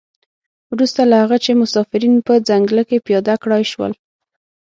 وروسته له هغه چې مسافرین په ځنګله کې پیاده کړای شول.